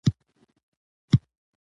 په دین کښي تحریف او بدلون راوستل دي.